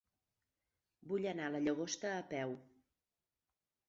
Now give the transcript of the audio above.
Vull anar a la Llagosta a peu.